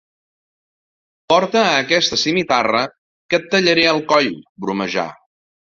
Porta aquesta simitarra, que et tallaré el coll —bromejà.